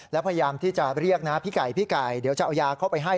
แล้วพยายามที่จะเรียกนะพี่ไก่พี่ไก่เดี๋ยวจะเอายาเข้าไปให้